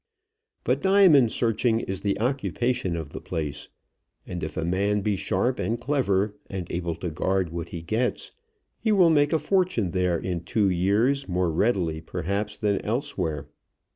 But diamond searching is the occupation of the place; and if a man be sharp and clever, and able to guard what he gets, he will make a fortune there in two years more readily perhaps than elsewhere.